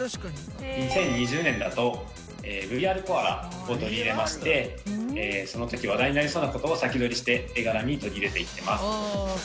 ２０２０年だとＶＲコアラを取り入れましてその時話題になりそうな事を先取りして絵柄に取り入れていってます。